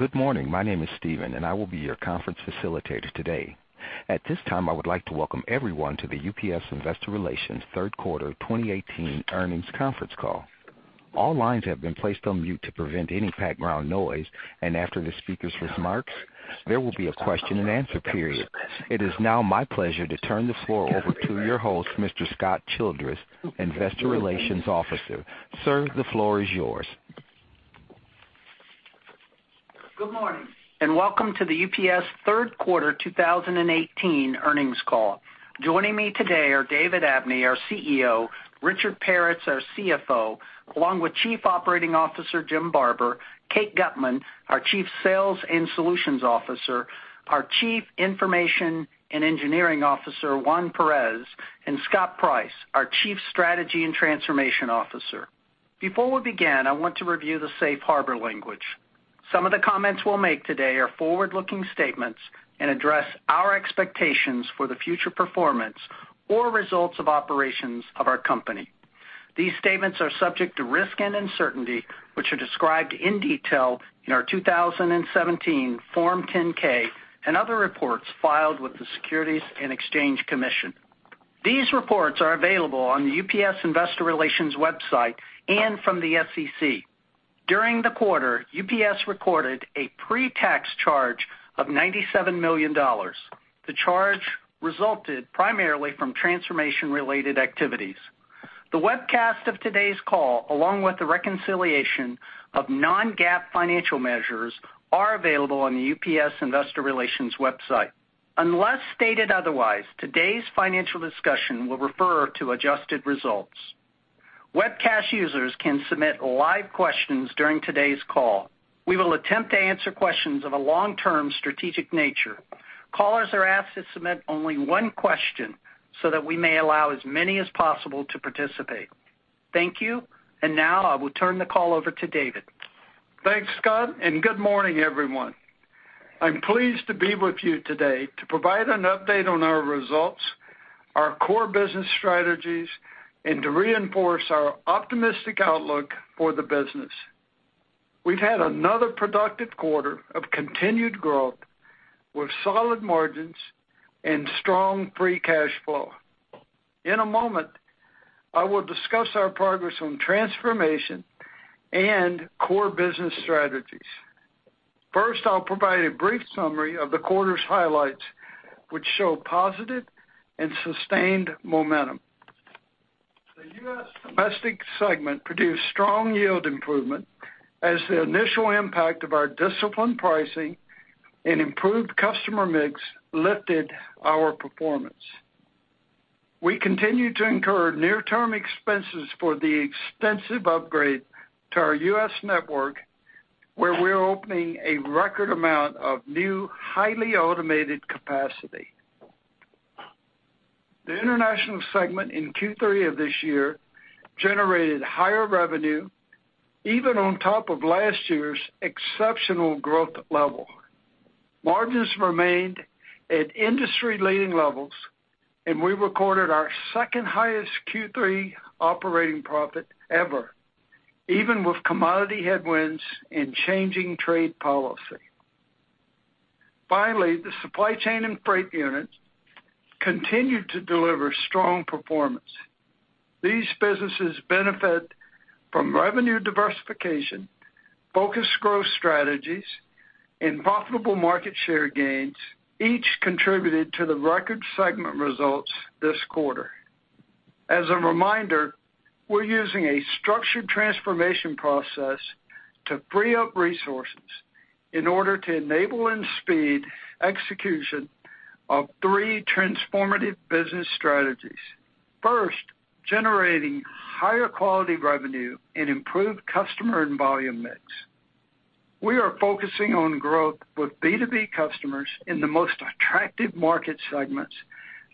Good morning. My name is Steven and I will be your conference facilitator today. At this time, I would like to welcome everyone to the UPS Investor Relations third quarter 2018 earnings conference call. All lines have been placed on mute to prevent any background noise. After the speaker's remarks, there will be a question and answer period. It is now my pleasure to turn the floor over to your host, Mr. Scott Childress, Investor Relations Officer. Sir, the floor is yours. Good morning. Welcome to the UPS third quarter 2018 earnings call. Joining me today are David Abney, our CEO, Richard Peretz, our CFO, along with Chief Operating Officer Jim Barber, Kate Gutmann, our Chief Sales and Solutions Officer, our Chief Information and Engineering Officer, Juan Perez, and Scott Price, our Chief Strategy and Transformation Officer. Before we begin, I want to review the safe harbor language. Some of the comments we'll make today are forward-looking statements and address our expectations for the future performance or results of operations of our company. These statements are subject to risk and uncertainty, which are described in detail in our 2017 Form 10-K and other reports filed with the Securities and Exchange Commission. These reports are available on the UPS Investor Relations website and from the SEC. During the quarter, UPS recorded a pre-tax charge of $97 million. The charge resulted primarily from transformation-related activities. The webcast of today's call, along with a reconciliation of non-GAAP financial measures, are available on the UPS Investor Relations website. Unless stated otherwise, today's financial discussion will refer to adjusted results. Webcast users can submit live questions during today's call. We will attempt to answer questions of a long-term strategic nature. Callers are asked to submit only one question so that we may allow as many as possible to participate. Thank you. Now I will turn the call over to David. Thanks, Scott. Good morning, everyone. I'm pleased to be with you today to provide an update on our results, our core business strategies, and to reinforce our optimistic outlook for the business. We've had another productive quarter of continued growth with solid margins and strong free cash flow. In a moment, I will discuss our progress on transformation and core business strategies. First, I'll provide a brief summary of the quarter's highlights, which show positive and sustained momentum. The U.S. domestic segment produced strong yield improvement as the initial impact of our disciplined pricing and improved customer mix lifted our performance. We continue to incur near-term expenses for the extensive upgrade to our U.S. network, where we're opening a record amount of new, highly automated capacity. The international segment in Q3 of this year generated higher revenue, even on top of last year's exceptional growth level. Margins remained at industry-leading levels. We recorded our second highest Q3 operating profit ever, even with commodity headwinds and changing trade policy. Finally, the supply chain and freight units continued to deliver strong performance. These businesses benefit from revenue diversification, focused growth strategies, and profitable market share gains. Each contributed to the record segment results this quarter. As a reminder, we're using a structured transformation process to free up resources in order to enable and speed execution of three transformative business strategies. First, generating higher quality revenue and improved customer and volume mix. We are focusing on growth with B2B customers in the most attractive market segments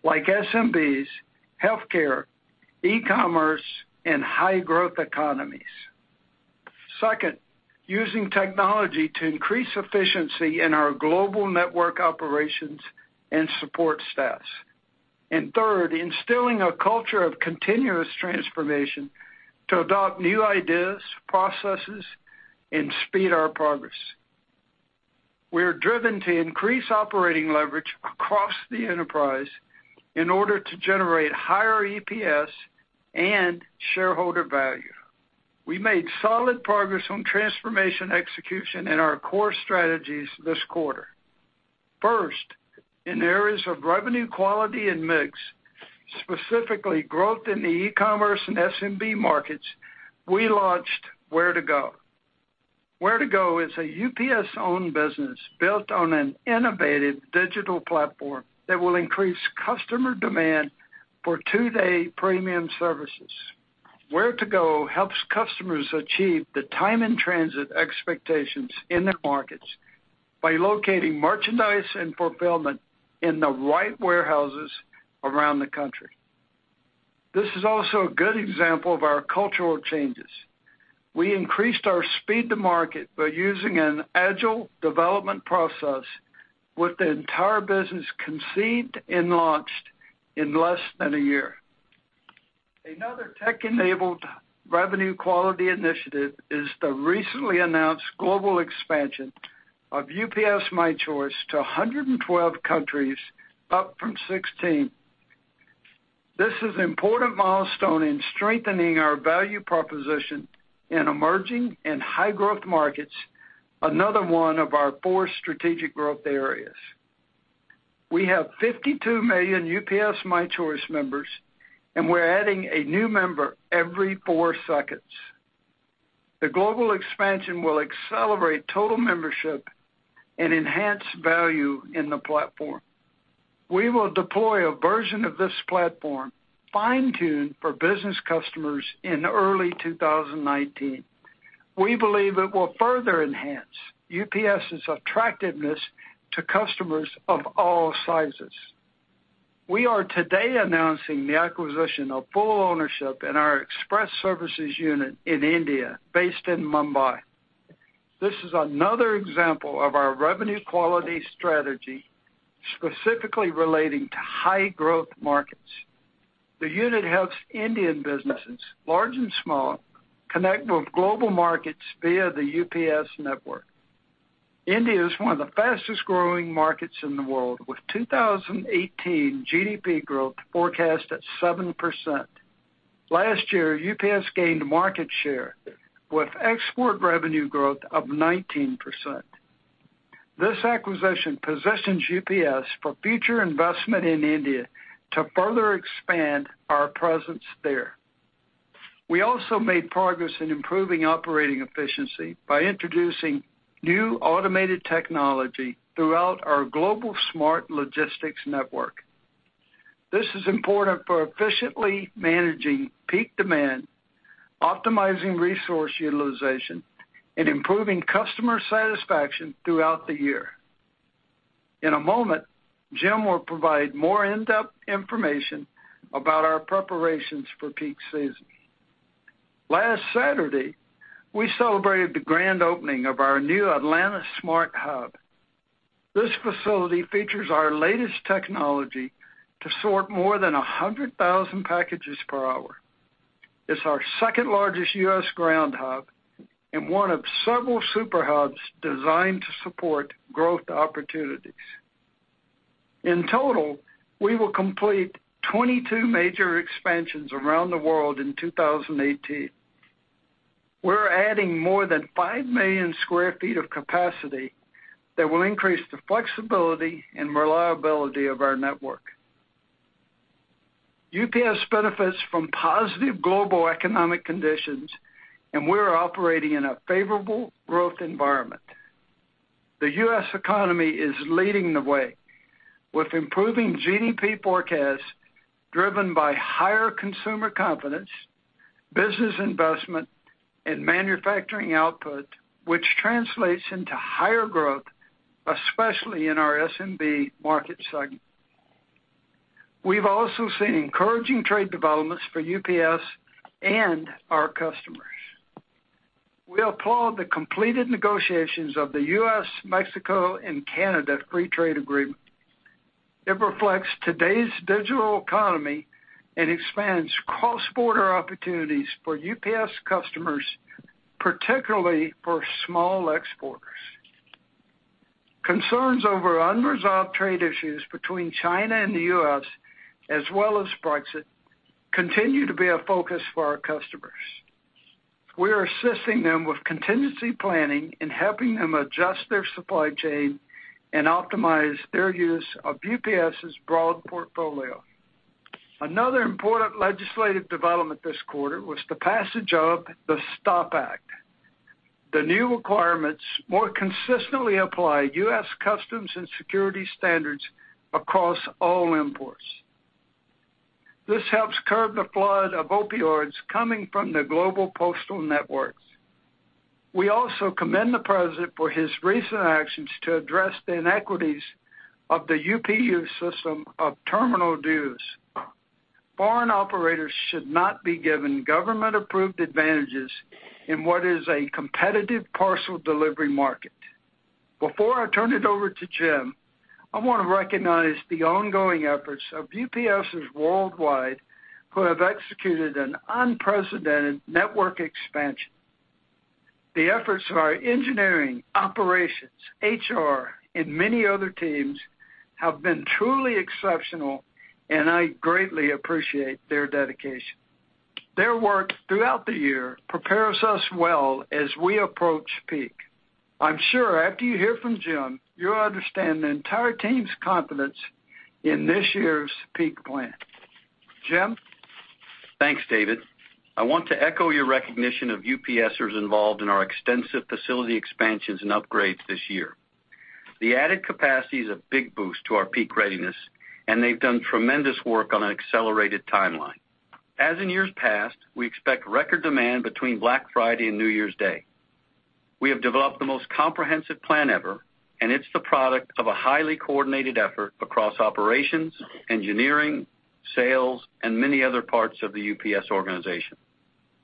like SMBs, healthcare, e-commerce, and high-growth economies. Second, using technology to increase efficiency in our global network operations and support staffs. Third, instilling a culture of continuous transformation to adopt new ideas, processes, and speed our progress. We are driven to increase operating leverage across the enterprise in order to generate higher EPS and shareholder value. We made solid progress on transformation execution in our core strategies this quarter. First, in areas of revenue quality and mix, specifically growth in the e-commerce and SMB markets, we launched Ware2Go. Ware2Go is a UPS-owned business built on an innovative digital platform that will increase customer demand for two-day premium services. Ware2Go helps customers achieve the time and transit expectations in their markets by locating merchandise and fulfillment in the right warehouses around the country. This is also a good example of our cultural changes. We increased our speed to market by using an agile development process with the entire business conceived and launched in less than a year. Another tech-enabled revenue quality initiative is the recently announced global expansion of UPS My Choice to 112 countries, up from 16. This is an important milestone in strengthening our value proposition in emerging and high-growth markets, another one of our four strategic growth areas. We have 52 million UPS My Choice members. We're adding a new member every four seconds. The global expansion will accelerate total membership and enhance value in the platform. We will deploy a version of this platform fine-tuned for business customers in early 2019. We believe it will further enhance UPS's attractiveness to customers of all sizes. We are today announcing the acquisition of full ownership in our express services unit in India, based in Mumbai. This is another example of our revenue quality strategy, specifically relating to high-growth markets. The unit helps Indian businesses, large and small, connect with global markets via the UPS network. India is one of the fastest-growing markets in the world, with 2018 GDP growth forecast at 7%. Last year, UPS gained market share with export revenue growth of 19%. This acquisition positions UPS for future investment in India to further expand our presence there. We also made progress in improving operating efficiency by introducing new automated technology throughout our global smart logistics network. This is important for efficiently managing peak demand, optimizing resource utilization, and improving customer satisfaction throughout the year. In a moment, Jim will provide more in-depth information about our preparations for peak season. Last Saturday, we celebrated the grand opening of our new Atlanta smart hub. This facility features our latest technology to sort more than 100,000 packages per hour. It's our second-largest U.S. ground hub and one of several super hubs designed to support growth opportunities. In total, we will complete 22 major expansions around the world in 2018. We're adding more than 5 million square feet of capacity that will increase the flexibility and reliability of our network. UPS benefits from positive global economic conditions, and we're operating in a favorable growth environment. The U.S. economy is leading the way, with improving GDP forecasts driven by higher consumer confidence, business investment, and manufacturing output, which translates into higher growth, especially in our SMB market segment. We've also seen encouraging trade developments for UPS and our customers. We applaud the completed negotiations of the U.S., Mexico, and Canada free trade agreement. It reflects today's digital economy and expands cross-border opportunities for UPS customers, particularly for small exporters. Concerns over unresolved trade issues between China and the U.S., as well as Brexit, continue to be a focus for our customers. We are assisting them with contingency planning and helping them adjust their supply chain and optimize their use of UPS's broad portfolio. Another important legislative development this quarter was the passage of the STOP Act. The new requirements more consistently apply U.S. customs and security standards across all imports. This helps curb the flood of opioids coming from the global postal networks. We also commend the President for his recent actions to address the inequities of the UPU system of terminal dues. Foreign operators should not be given government-approved advantages in what is a competitive parcel delivery market. Before I turn it over to Jim, I want to recognize the ongoing efforts of UPSers worldwide who have executed an unprecedented network expansion. The efforts of our engineering, operations, HR, and many other teams have been truly exceptional, and I greatly appreciate their dedication. Their work throughout the year prepares us well as we approach peak. I'm sure after you hear from Jim, you'll understand the entire team's confidence in this year's peak plan. Jim? Thanks, David. I want to echo your recognition of UPSers involved in our extensive facility expansions and upgrades this year. The added capacity is a big boost to our peak readiness, and they've done tremendous work on an accelerated timeline. As in years past, we expect record demand between Black Friday and New Year's Day. We have developed the most comprehensive plan ever, and it's the product of a highly coordinated effort across operations, engineering, sales, and many other parts of the UPS organization.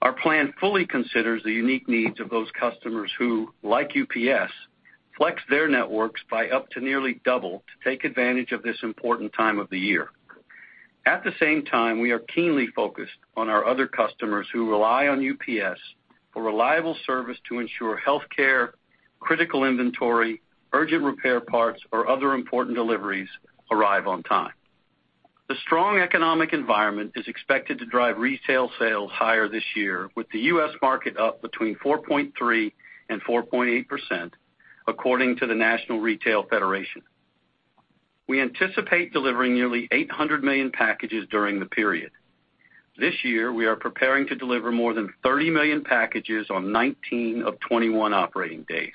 Our plan fully considers the unique needs of those customers who, like UPS, flex their networks by up to nearly double to take advantage of this important time of the year. At the same time, we are keenly focused on our other customers who rely on UPS for reliable service to ensure healthcare, critical inventory, urgent repair parts, or other important deliveries arrive on time. The strong economic environment is expected to drive retail sales higher this year, with the U.S. market up between 4.3%-4.8% according to the National Retail Federation. We anticipate delivering nearly 800 million packages during the period. This year, we are preparing to deliver more than 30 million packages on 19 of 21 operating days.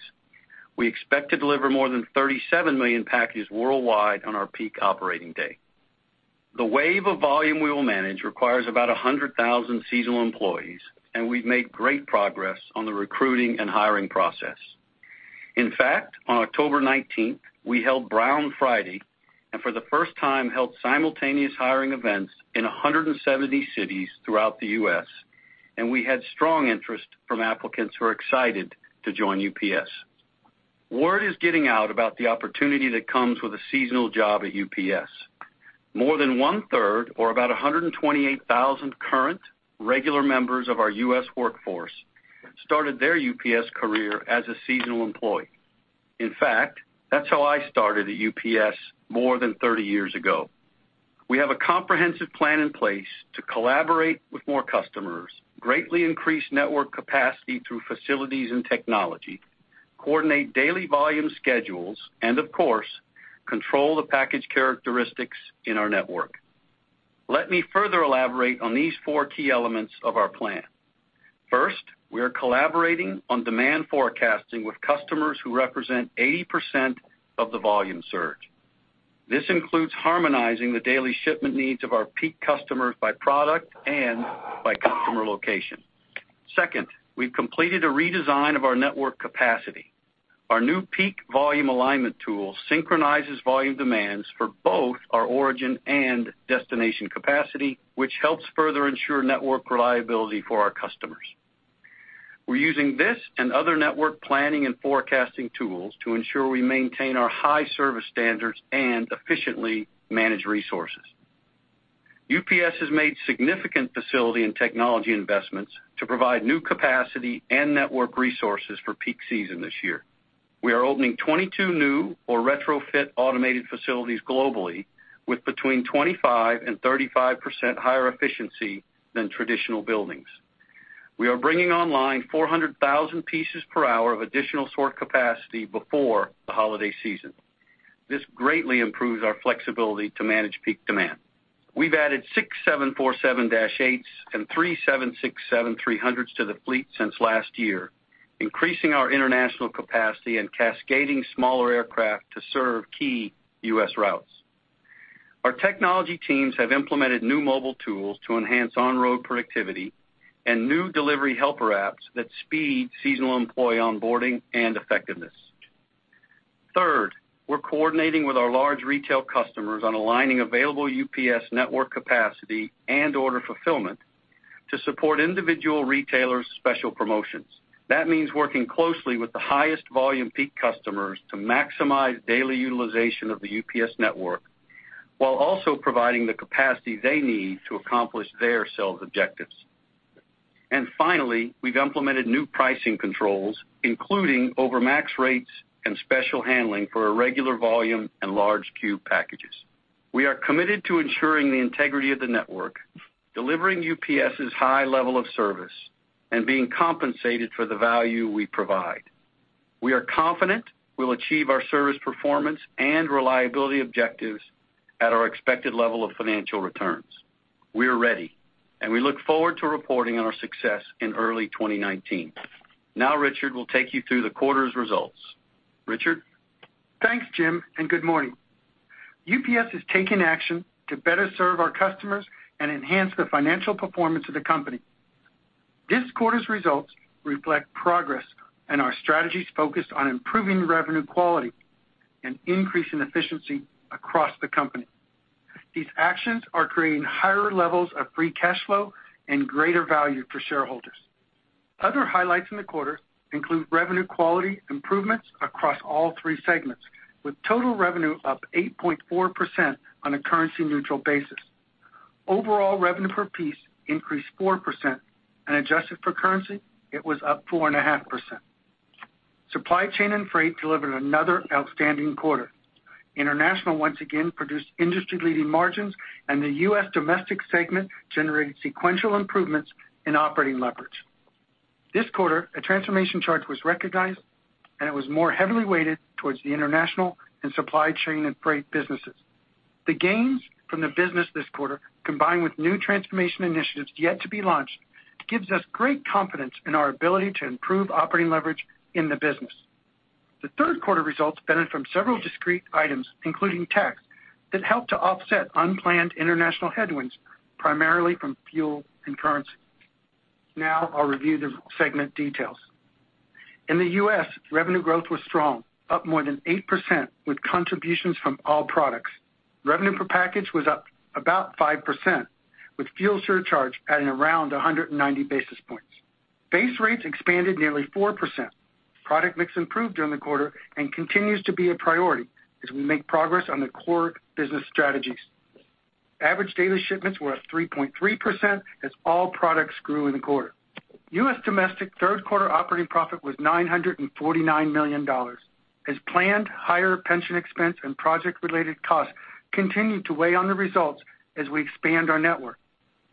We expect to deliver more than 37 million packages worldwide on our peak operating day. The wave of volume we will manage requires about 100,000 seasonal employees, and we've made great progress on the recruiting and hiring process. In fact, on October 19th, we held Brown Friday, and for the first time held simultaneous hiring events in 170 cities throughout the U.S., and we had strong interest from applicants who are excited to join UPS. Word is getting out about the opportunity that comes with a seasonal job at UPS. More than one-third, or about 128,000 current regular members of our U.S. workforce, started their UPS career as a seasonal employee. In fact, that's how I started at UPS more than 30 years ago. We have a comprehensive plan in place to collaborate with more customers, greatly increase network capacity through facilities and technology, coordinate daily volume schedules and, of course, control the package characteristics in our network. Let me further elaborate on these four key elements of our plan. First, we are collaborating on demand forecasting with customers who represent 80% of the volume surge. This includes harmonizing the daily shipment needs of our peak customers by product and by customer location. Second, we've completed a redesign of our network capacity. Our new peak volume alignment tool synchronizes volume demands for both our origin and destination capacity, which helps further ensure network reliability for our customers. We're using this and other network planning and forecasting tools to ensure we maintain our high service standards and efficiently manage resources. UPS has made significant facility and technology investments to provide new capacity and network resources for peak season this year. We are opening 22 new or retrofit automated facilities globally with between 25%-35% higher efficiency than traditional buildings. We are bringing online 400,000 pieces per hour of additional sort capacity before the holiday season. This greatly improves our flexibility to manage peak demand. We've added six 747-8s and three 767-300s to the fleet since last year, increasing our international capacity and cascading smaller aircraft to serve key U.S. routes. Our technology teams have implemented new mobile tools to enhance on-road productivity and new delivery helper apps that speed seasonal employee onboarding and effectiveness. Third, we're coordinating with our large retail customers on aligning available UPS network capacity and order fulfillment to support individual retailers' special promotions. That means working closely with the highest volume peak customers to maximize daily utilization of the UPS network, while also providing the capacity they need to accomplish their sales objectives. Finally, we've implemented new pricing controls, including over Max rates and special handling for irregular volume and large cube packages. We are committed to ensuring the integrity of the network, delivering UPS's high level of service, and being compensated for the value we provide. We are confident we'll achieve our service performance and reliability objectives at our expected level of financial returns. We are ready, and we look forward to reporting on our success in early 2019. Now, Richard will take you through the quarter's results. Richard? Thanks, Jim, and good morning. UPS is taking action to better serve our customers and enhance the financial performance of the company. This quarter's results reflect progress and our strategies focused on improving revenue quality and increasing efficiency across the company. These actions are creating higher levels of free cash flow and greater value for shareholders. Other highlights in the quarter include revenue quality improvements across all three segments, with total revenue up 8.4% on a currency-neutral basis. Overall revenue per piece increased 4%, and adjusted for currency, it was up 4.5%. Supply Chain and Freight delivered another outstanding quarter. International once again produced industry-leading margins, and the U.S. Domestic segment generated sequential improvements in operating leverage. This quarter, a transformation charge was recognized, and it was more heavily weighted towards the International and Supply Chain and Freight businesses. The gains from the business this quarter, combined with new transformation initiatives yet to be launched, gives us great confidence in our ability to improve operating leverage in the business. The third quarter results benefit from several discrete items, including tax, that helped to offset unplanned international headwinds, primarily from fuel and currency. I'll review the segment details. In the U.S., revenue growth was strong, up more than 8%, with contributions from all products. Revenue per package was up about 5%, with fuel surcharge adding around 190 basis points. Base rates expanded nearly 4%. Product mix improved during the quarter and continues to be a priority as we make progress on the core business strategies. Average daily shipments were up 3.3% as all products grew in the quarter. U.S. Domestic third quarter operating profit was $949 million. As planned, higher pension expense and project-related costs continued to weigh on the results as we expand our network.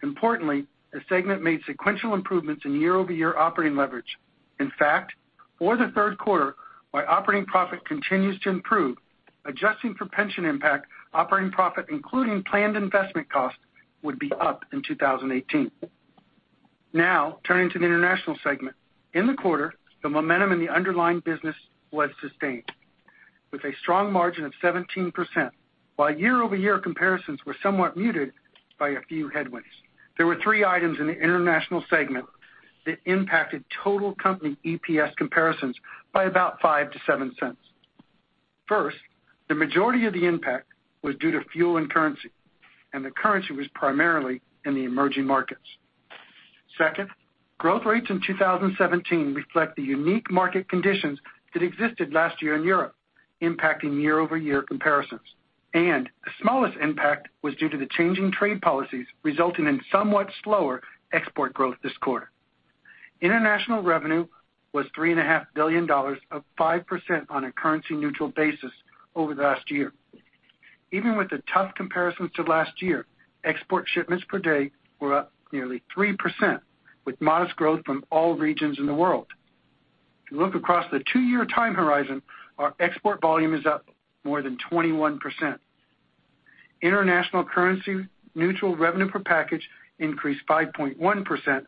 Importantly, the segment made sequential improvements in year-over-year operating leverage. In fact, for the third quarter, while operating profit continues to improve, adjusting for pension impact, operating profit including planned investment costs, would be up in 2018. Turning to the International segment. In the quarter, the momentum in the underlying business was sustained with a strong margin of 17%, while year-over-year comparisons were somewhat muted by a few headwinds. There were 3 items in the International segment that impacted total company EPS comparisons by about $0.05-$0.07. First, the majority of the impact was due to fuel and currency, and the currency was primarily in the emerging markets. Second, growth rates in 2017 reflect the unique market conditions that existed last year in Europe, impacting year-over-year comparisons. The smallest impact was due to the changing trade policies resulting in somewhat slower export growth this quarter. International revenue was $3.5 billion, up 5% on a currency-neutral basis over the last year. Even with the tough comparisons to last year, export shipments per day were up nearly 3%, with modest growth from all regions in the world. If you look across the two-year time horizon, our export volume is up more than 21%. International currency neutral revenue per package increased 5.1%,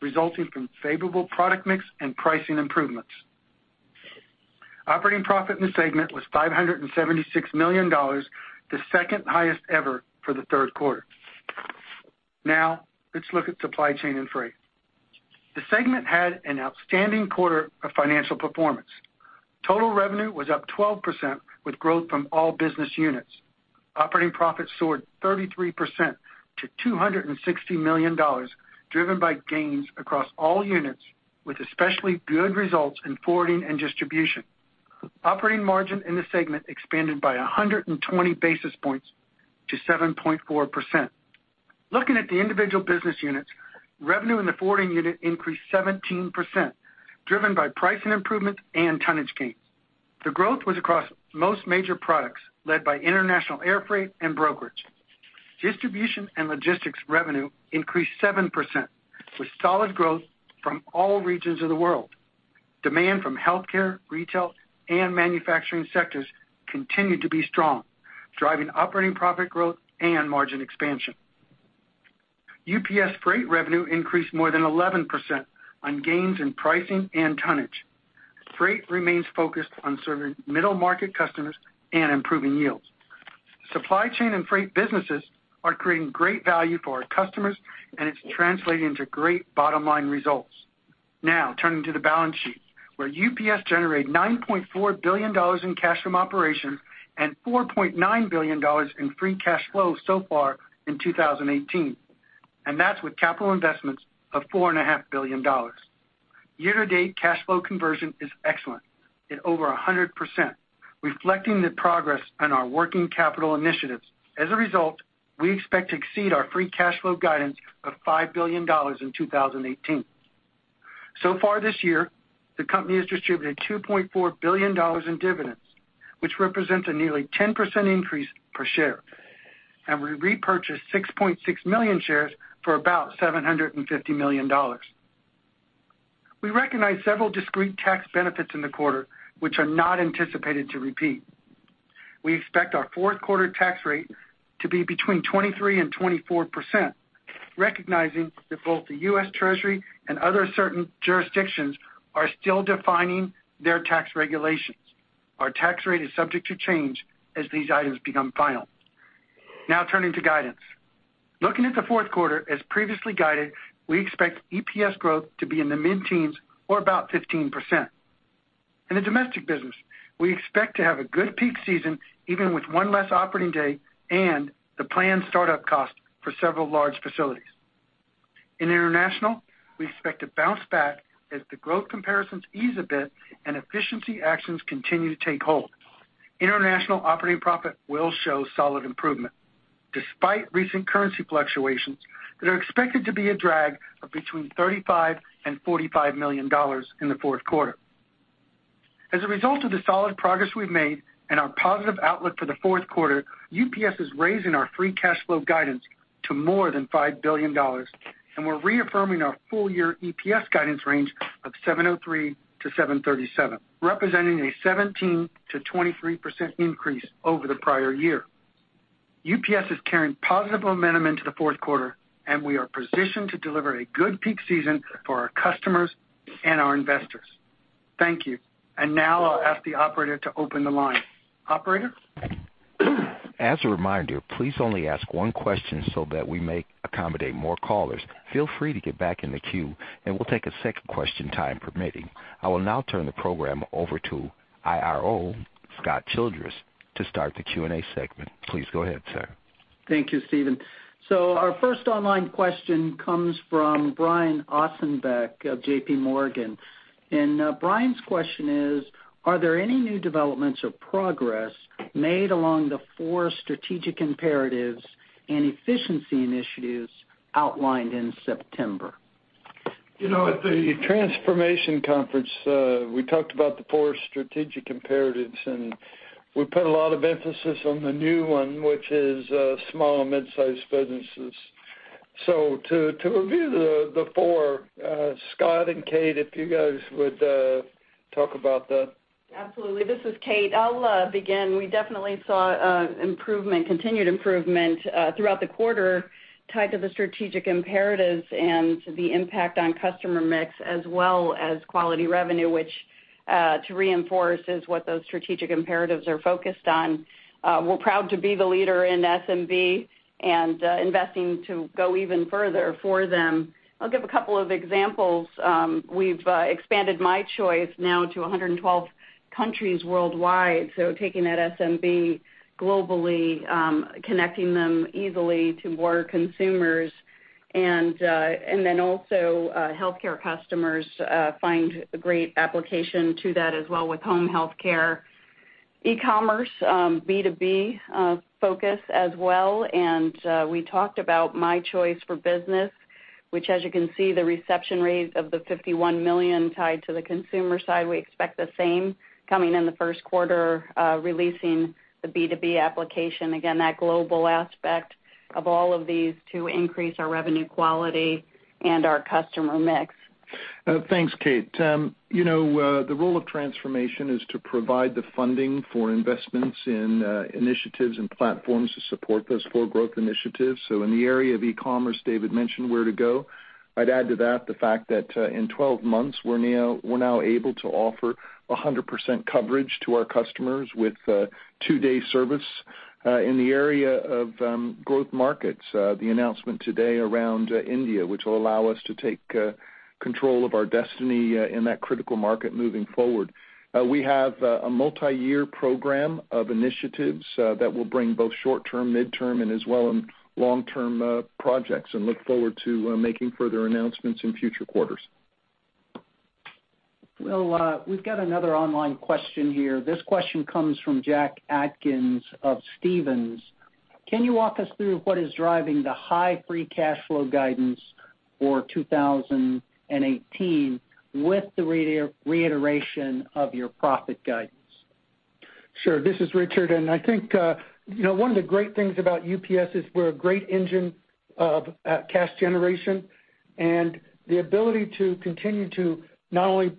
resulting from favorable product mix and pricing improvements. Operating profit in the segment was $576 million, the second highest ever for the third quarter. Let's look at Supply Chain and Freight. The segment had an outstanding quarter of financial performance. Total revenue was up 12%, with growth from all business units. Operating profits soared 33% to $260 million, driven by gains across all units, with especially good results in forwarding and distribution. Operating margin in the segment expanded by 120 basis points to 7.4%. Looking at the individual business units, revenue in the forwarding unit increased 17%, driven by pricing improvements and tonnage gains. The growth was across most major products, led by international airfreight and brokerage. Distribution and logistics revenue increased 7%, with solid growth from all regions of the world. Demand from healthcare, retail, and manufacturing sectors continued to be strong, driving operating profit growth and margin expansion. UPS Freight revenue increased more than 11% on gains in pricing and tonnage. Freight remains focused on serving middle-market customers and improving yields. Supply chain and freight businesses are creating great value for our customers, and it's translating to great bottom-line results. Turning to the balance sheet, where UPS generated $9.4 billion in cash from operations and $4.9 billion in free cash flow so far in 2018. That's with capital investments of $4.5 billion. Year-to-date cash flow conversion is excellent at over 100%, reflecting the progress on our working capital initiatives. As a result, we expect to exceed our free cash flow guidance of $5 billion in 2018. Far this year, the company has distributed $2.4 billion in dividends, which represents a nearly 10% increase per share. We repurchased 6.6 million shares for about $750 million. We recognized several discrete tax benefits in the quarter, which are not anticipated to repeat. We expect our fourth quarter tax rate to be between 23%-24%, recognizing that both the U.S. Treasury and other certain jurisdictions are still defining their tax regulations. Our tax rate is subject to change as these items become final. Turning to guidance. Looking at the fourth quarter, as previously guided, we expect EPS growth to be in the mid-teens or about 15%. In the domestic business, we expect to have a good peak season, even with one less operating day and the planned startup cost for several large facilities. In international, we expect to bounce back as the growth comparisons ease a bit and efficiency actions continue to take hold. International operating profit will show solid improvement, despite recent currency fluctuations that are expected to be a drag of between $35 million-$45 million in the fourth quarter. As a result of the solid progress we've made and our positive outlook for the fourth quarter, UPS is raising our free cash flow guidance to more than $5 billion, and we're reaffirming our full-year EPS guidance range of $7.03-$7.37, representing a 17%-23% increase over the prior year. UPS is carrying positive momentum into the fourth quarter, and we are positioned to deliver a good peak season for our customers and our investors. Thank you. Now I'll ask the operator to open the line. Operator? As a reminder, please only ask one question so that we may accommodate more callers. Feel free to get back in the queue, and we'll take a second question, time permitting. I will now turn the program over to IRO, Scott Childress, to start the Q&A segment. Please go ahead, sir. Thank you, Steven. Our first online question comes from Brian Ossenbeck of J.P. Morgan. Brian's question is: Are there any new developments or progress made along the four strategic imperatives and efficiency initiatives outlined in September? At the transformation conference, we talked about the four strategic imperatives. We put a lot of emphasis on the new one, which is small and midsize businesses. To review the four, Scott and Kate, if you guys would talk about that. Absolutely. This is Kate. I'll begin. We definitely saw continued improvement throughout the quarter tied to the strategic imperatives and the impact on customer mix as well as quality revenue, which, to reinforce, is what those strategic imperatives are focused on. We're proud to be the leader in SMB and investing to go even further for them. I'll give a couple of examples. We've expanded My Choice now to 112 countries worldwide, so taking that SMB globally, connecting them easily to more consumers. Then also healthcare customers find great application to that as well with home healthcare, e-commerce, B2B focus as well. We talked about My Choice for Business, which as you can see, the reception rates of the 51 million tied to the consumer side. We expect the same coming in the first quarter, releasing the B2B application. That global aspect of all of these to increase our revenue quality and our customer mix. Thanks, Kate. The role of transformation is to provide the funding for investments in initiatives and platforms to support those four growth initiatives. In the area of e-commerce, David mentioned Ware2Go. I'd add to that the fact that in 12 months, we're now able to offer 100% coverage to our customers with two-day service. In the area of growth markets, the announcement today around India, which will allow us to take control of our destiny in that critical market moving forward. We have a multi-year program of initiatives that will bring both short-term, mid-term, and as well long-term projects, and look forward to making further announcements in future quarters. We've got another online question here. This question comes from Jack Atkins of Stephens. Can you walk us through what is driving the high free cash flow guidance for 2018 with the reiteration of your profit guidance? Sure. This is Richard, I think one of the great things about UPS is we're a great engine of cash generation and the ability to continue to not only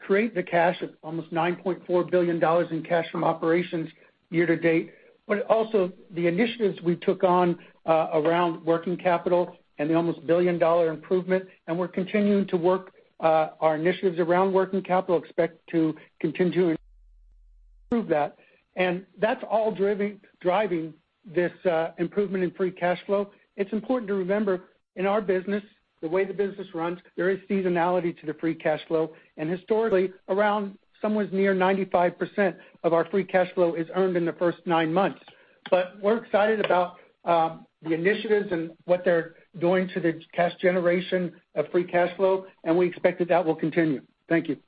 create the cash of almost $9.4 billion in cash from operations year to date, but also the initiatives we took on around working capital and the almost billion-dollar improvement. We're continuing to work our initiatives around working capital, expect to continue to improve that. That's all driving this improvement in free cash flow. It's important to remember, in our business, the way the business runs, there is seasonality to the free cash flow. Historically, around somewhere near 95% of our free cash flow is earned in the first nine months. We're excited about the initiatives and what they're doing to the cash generation of free cash flow, and we expect that that will continue. Thank you.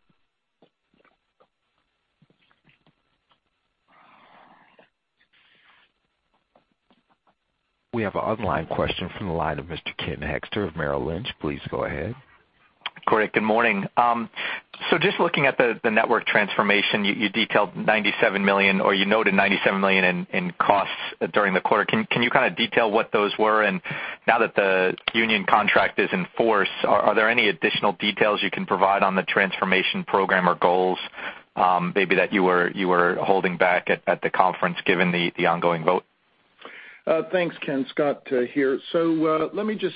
We have an online question from the line of Mr. Ken Hoexter of Merrill Lynch. Please go ahead. Great. Good morning. Just looking at the network transformation, you detailed $97 million, or you noted $97 million in costs during the quarter. Can you detail what those were? Now that the union contract is in force, are there any additional details you can provide on the transformation program or goals, maybe that you were holding back at the conference given the ongoing vote? Thanks, Ken. Scott here. Let me just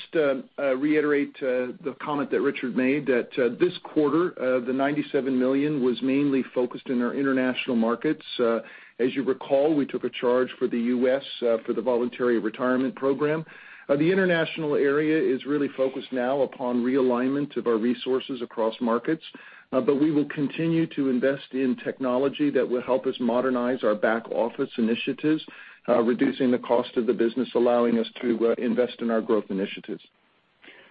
reiterate the comment that Richard made that this quarter, the $97 million was mainly focused in our international markets. As you recall, we took a charge for the U.S. for the voluntary retirement program. The international area is really focused now upon realignment of our resources across markets. We will continue to invest in technology that will help us modernize our back-office initiatives, reducing the cost of the business, allowing us to invest in our growth initiatives.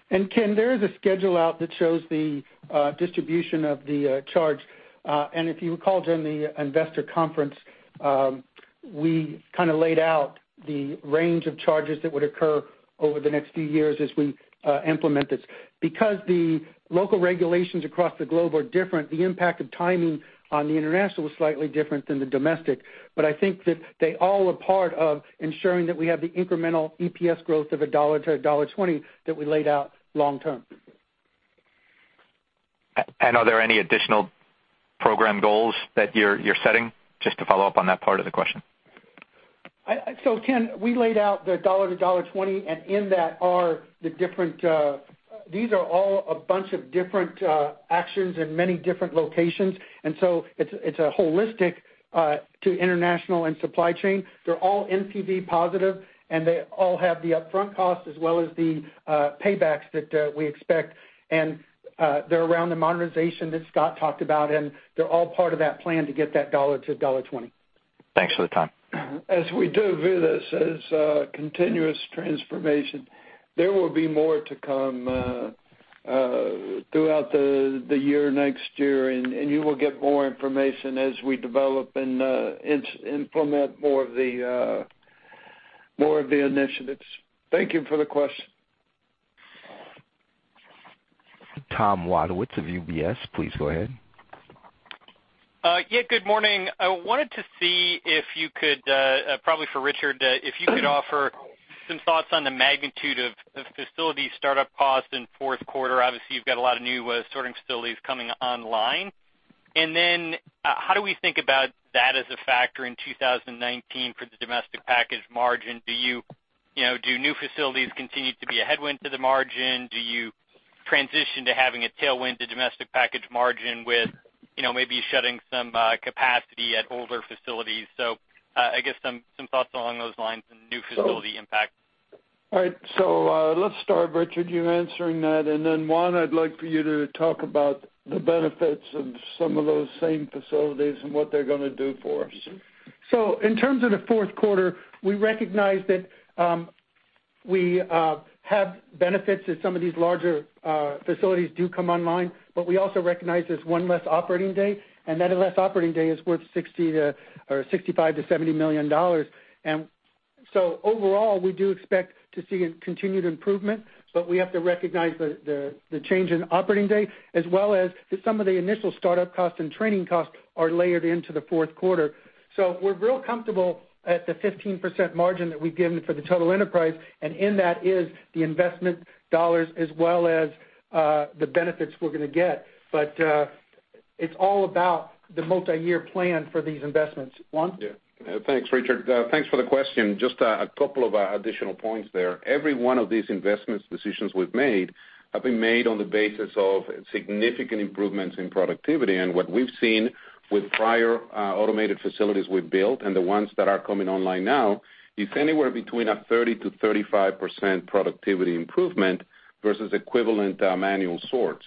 Ken, there is a schedule out that shows the distribution of the charge. If you recall during the investor conference, we laid out the range of charges that would occur over the next few years as we implement this. Because the local regulations across the globe are different, the impact of timing on the international is slightly different than the domestic. I think that they all are part of ensuring that we have the incremental EPS growth of $1-$1.20 that we laid out long term. Are there any additional program goals that you're setting? Just to follow up on that part of the question. Ken, we laid out the $1-$1.20, and in that are the different-These are all a bunch of different actions in many different locations. It's holistic to international and supply chain. They're all NPV positive, and they all have the upfront costs as well as the paybacks that we expect. They're around the modernization that Scott talked about, and they're all part of that plan to get that $1-$1.20. Thanks for the time. We do view this as a continuous transformation, there will be more to come throughout the year next year, and you will get more information as we develop and implement more of the initiatives. Thank you for the question. Thomas Wadewitz of UBS, please go ahead. Yeah. Good morning. I wanted to see if you could, probably for Richard, if you could offer some thoughts on the magnitude of facility startup costs in fourth quarter. Obviously, you've got a lot of new sorting facilities coming online. How do we think about that as a factor in 2019 for the domestic package margin? Do new facilities continue to be a headwind to the margin? Do you transition to having a tailwind to domestic package margin with maybe shutting some capacity at older facilities? I guess some thoughts along those lines and new facility impact. All right. Let's start, Richard, you answering that, and then Juan, I'd like for you to talk about the benefits of some of those same facilities and what they're going to do for us. In terms of the fourth quarter, we recognize that we have benefits as some of these larger facilities do come online, but we also recognize there's one less operating day, and that less operating day is worth $65 million-$70 million. Overall, we do expect to see a continued improvement, but we have to recognize the change in operating day, as well as that some of the initial startup costs and training costs are layered into the fourth quarter. We're real comfortable at the 15% margin that we've given for the total enterprise, and in that is the investment dollars as well as the benefits we're going to get. It's all about the multi-year plan for these investments. Juan? Thanks, Richard. Thanks for the question. Just a couple of additional points there. Every one of these investment decisions we've made have been made on the basis of significant improvements in productivity. What we've seen with prior automated facilities we've built and the ones that are coming online now is anywhere between a 30%-35% productivity improvement versus equivalent manual sorts.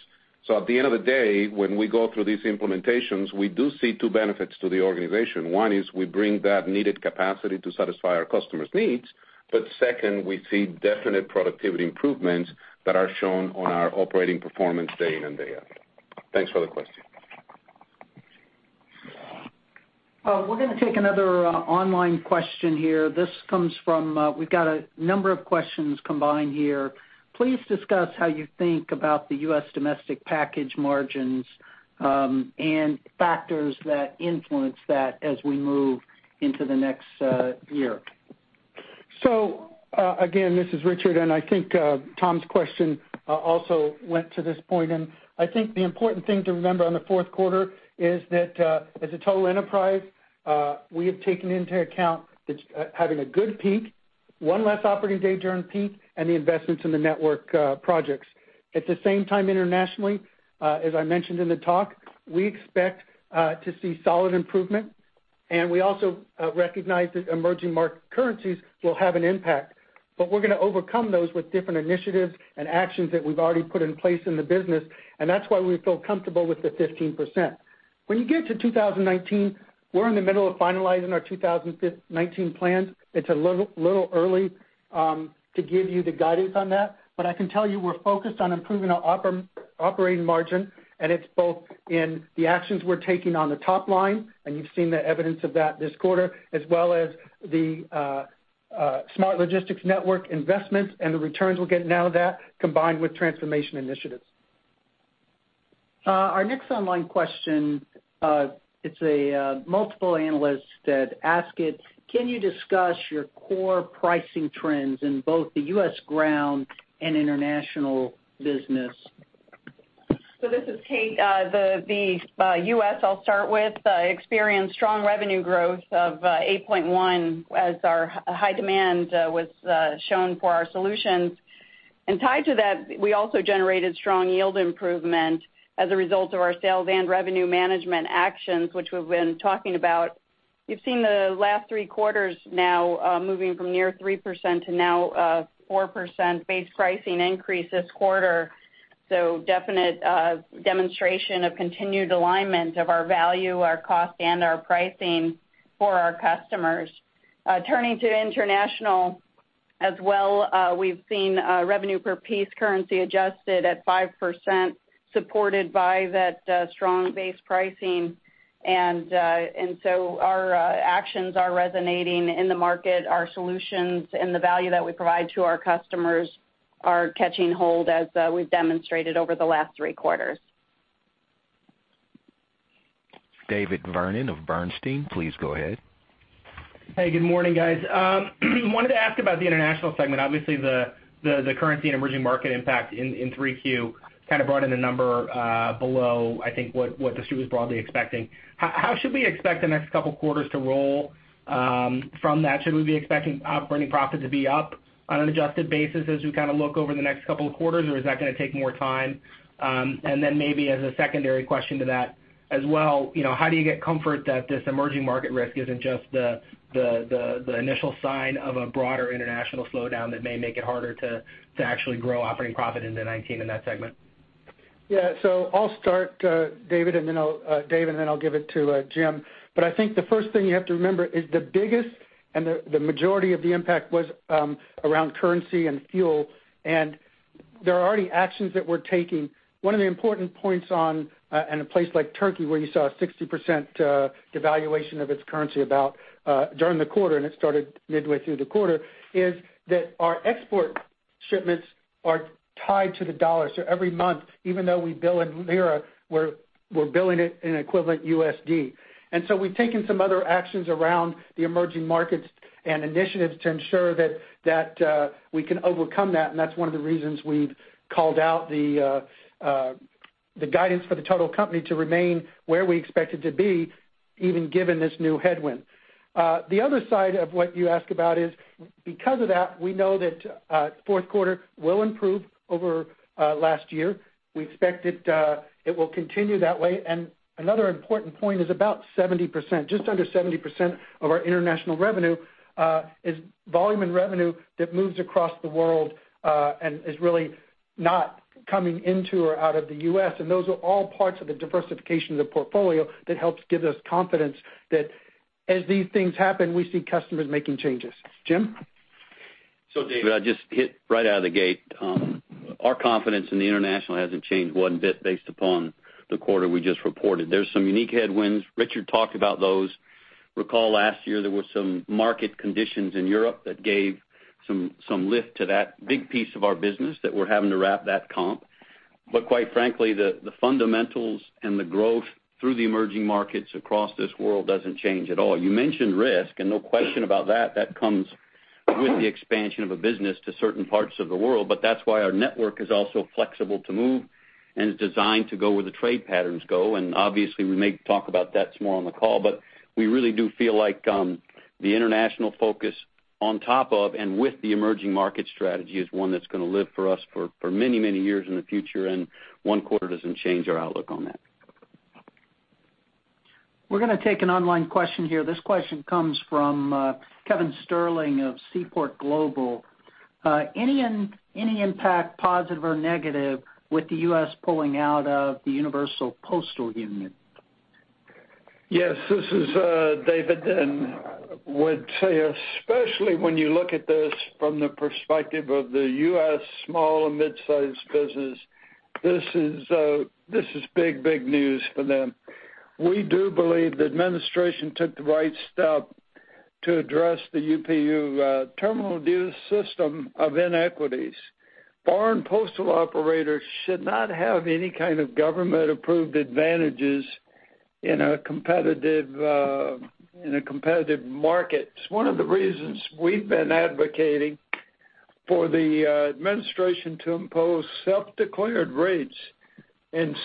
At the end of the day, when we go through these implementations, we do see two benefits to the organization. One is we bring that needed capacity to satisfy our customers' needs. Second, we see definite productivity improvements that are shown on our operating performance day in and day out. Thanks for the question. We're going to take another online question here. We've got a number of questions combined here. Please discuss how you think about the U.S. domestic package margins and factors that influence that as we move into the next year. Again, this is Richard, and I think Tom's question also went to this point, and I think the important thing to remember on the fourth quarter is that as a total enterprise, we have taken into account that having a good peak, one less operating day during peak, and the investments in the network projects. At the same time, internationally, as I mentioned in the talk, we expect to see solid improvement, and we also recognize that emerging market currencies will have an impact. We're going to overcome those with different initiatives and actions that we've already put in place in the business, and that's why we feel comfortable with the 15%. When you get to 2019, we're in the middle of finalizing our 2019 plans. It's a little early to give you the guidance on that, but I can tell you we're focused on improving our operating margin, and it's both in the actions we're taking on the top line, and you've seen the evidence of that this quarter, as well as the smart logistics network investments and the returns we'll get out of that combined with transformation initiatives. Our next online question, it's multiple analysts that ask it. Can you discuss your core pricing trends in both the U.S. Ground and international business? This is Kate Gutmann. The U.S., I'll start with, experienced strong revenue growth of 8.1% as our high demand was shown for our solutions. Tied to that, we also generated strong yield improvement as a result of our sales and revenue management actions, which we've been talking about. You've seen the last three quarters now moving from near 3% to now 4% base pricing increase this quarter. Definite demonstration of continued alignment of our value, our cost, and our pricing for our customers. Turning to international as well, we've seen revenue per piece currency adjusted at 5%, supported by that strong base pricing. Our actions are resonating in the market. Our solutions and the value that we provide to our customers are catching hold as we've demonstrated over the last three quarters. David Vernon of Bernstein, please go ahead. Hey, good morning, guys. Wanted to ask about the international segment. Obviously, the currency and emerging market impact in 3Q brought in a number below, I think, what the Street was broadly expecting. How should we expect the next couple of quarters to roll from that? Should we be expecting operating profit to be up on an adjusted basis as we look over the next couple of quarters, or is that going to take more time? Maybe as a secondary question to that as well, how do you get comfort that this emerging market risk isn't just the initial sign of a broader international slowdown that may make it harder to actually grow operating profit into 2019 in that segment? Yeah. I'll start, Dave, and then I'll give it to Jim. I think the first thing you have to remember is the biggest and the majority of the impact was around currency and fuel, and there are already actions that we're taking. One of the important points on, in a place like Turkey where you saw a 60% devaluation of its currency during the quarter, and it started midway through the quarter, is that our export shipments are tied to the USD. Every month, even though we bill in lira, we're billing it in equivalent USD. We've taken some other actions around the emerging markets and initiatives to ensure that we can overcome that, and that's one of the reasons we've called out the guidance for the total company to remain where we expect it to be, even given this new headwind. The other side of what you ask about is, because of that, we know that fourth quarter will improve over last year. We expect it will continue that way. Another important point is about 70%, just under 70% of our international revenue is volume and revenue that moves across the world, and is really not coming into or out of the U.S. Those are all parts of the diversification of the portfolio that helps give us confidence that as these things happen, we see customers making changes. Jim? David, I'll just hit right out of the gate. Our confidence in the international hasn't changed one bit based upon the quarter we just reported. There's some unique headwinds. Richard talked about those. Recall last year, there were some market conditions in Europe that gave some lift to that big piece of our business that we're having to wrap that comp. Quite frankly, the fundamentals and the growth through the emerging markets across this world doesn't change at all. You mentioned risk, and no question about that. That comes with the expansion of a business to certain parts of the world. That's why our network is also flexible to move and is designed to go where the trade patterns go. Obviously we may talk about that some more on the call, we really do feel like the international focus on top of, and with the emerging market strategy is one that's going to live for us for many, many years in the future, one quarter doesn't change our outlook on that. We're going to take an online question here. This question comes from Kevin Sterling of Seaport Global. Any impact, positive or negative, with the U.S. pulling out of the Universal Postal Union? Yes, this is David. Would say, especially when you look at this from the perspective of the U.S. small and mid-sized business, this is big news for them. We do believe the administration took the right step to address the UPU terminal dues system of inequities. Foreign postal operators should not have any kind of government-approved advantages in a competitive market. It's one of the reasons we've been advocating for the administration to impose self-declared rates.